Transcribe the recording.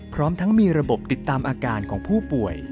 พร้อมทั้งมีระบบติดตามอาการของผู้ป่วย